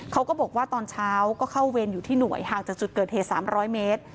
เขาก็บอกว่าตอนเช้าก็เข้าเวรอยู่ที่หน่วยห่างจากจุดเกิดเหตุ๓๐๐เมตร